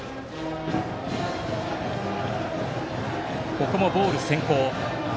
ここもボール先行。